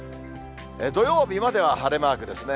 土曜日までは晴れマークですね。